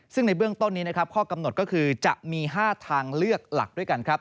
ซึ่งในเบื้องต้นนี้นะครับข้อกำหนดก็คือจะมี๕ทางเลือกหลักด้วยกันครับ